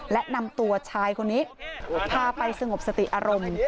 และนำตัวชายคนนี้พาไปสงบสติอารมณ์